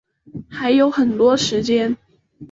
还有很多时间